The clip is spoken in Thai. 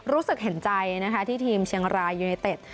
รู้สึกเห็นใจนะคะที่ทีมเชียงรายยูเนเต็ด